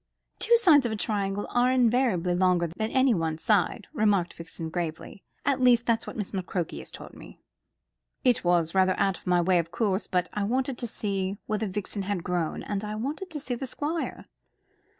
"Two sides of a triangle are invariably longer than any one side," remarked Vixen, gravely. "At least that's what Miss McCroke has taught me." "It was rather out of my way, of course. But I wanted to see whether Vixen had grown. And I wanted to see the Squire."